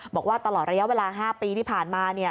บอกว่าตลอดระยะเวลา๕ปีที่ผ่านมา